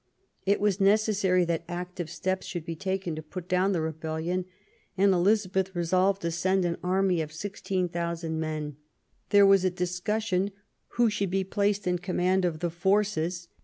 It was necessary that active steps should be taken to put down the rebellion, and Eliza beth resolved to send an army of 16,000 men. There was a discussion who should be placed in command of the forces.